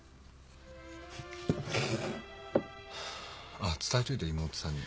ああ伝えといて妹さんに。